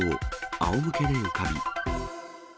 あおむけで浮かび。